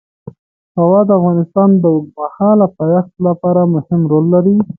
هوا د افغانستان د اوږدمهاله پایښت لپاره مهم رول لري.